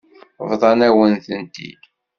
Bḍant-awen-t-id.